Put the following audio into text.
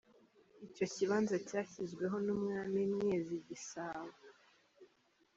Ico kibanza cashizweho n'umwami Mwezi Gisabo.